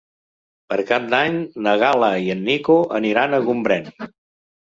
Per Cap d'Any na Gal·la i en Nico aniran a Gombrèn.